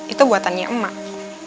itu buatannya emak